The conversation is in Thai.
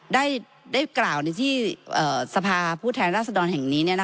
ได้ได้กล่าวในที่เอ่อสภาผู้แทนราศดรแห่งนี้เนี้ยนะ